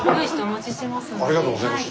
ありがとうございます。